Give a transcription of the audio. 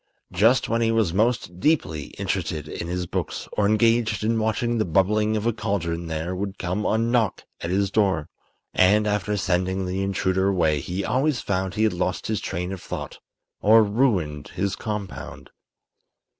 Just when he was most deeply interested in his books or engaged in watching the bubbling of a cauldron there would come a knock at his door. And after sending the intruder away he always found he had lost his train of thought or ruined his compound.